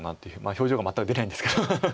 表情が全く出ないんですけど。